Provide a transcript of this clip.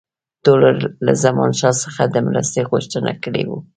ټولو له زمانشاه څخه د مرستې غوښتنه کړې وه.